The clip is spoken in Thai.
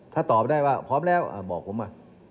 ถ้าตอบได้ว่าพร้อมแล้วบอกผมมา